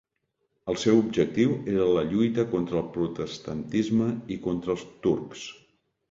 El seu objectiu era la lluita contra el protestantisme i contra els turcs.